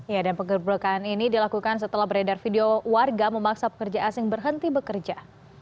ya dan penggerbekan ini dilakukan setelah beredar video warga memaksa pekerja asing berhenti bekerja